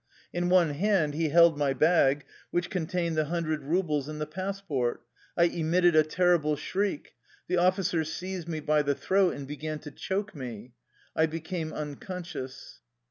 In one hand he held my bag which contained the hundred rubles and the passport. I emitted a terrible shriek. The offi cer seized me by the throat, and began to choke me. I became unconscious.